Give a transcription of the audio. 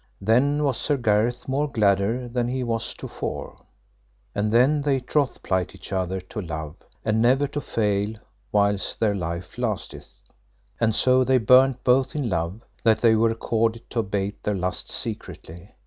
Then was Sir Gareth more gladder than he was to fore. And then they troth plight each other to love, and never to fail whiles their life lasteth. And so they burnt both in love, that they were accorded to abate their lusts secretly.